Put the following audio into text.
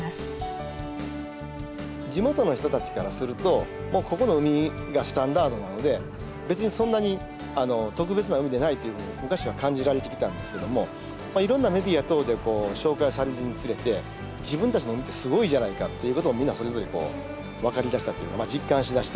地元の人たちからするともうここの海がスタンダードなので別にそんなに特別な海でないっていうふうに昔は感じられてきたんですけどもいろんなメディア等で紹介されるにつれて自分たちの海ってすごいじゃないかっていうことをみんなそれぞれ分かりだしたというか実感しだしたっていうのはありますね。